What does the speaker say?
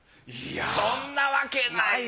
そんなわけないわ。